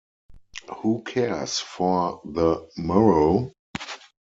Who cares for the morrow?